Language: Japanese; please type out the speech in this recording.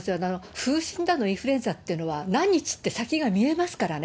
風疹だのインフルエンザっていうのは、何日って、先が見えますからね。